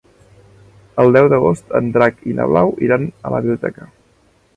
El deu d'agost en Drac i na Blau iran a la biblioteca.